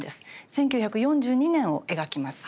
１９４２年を描きます。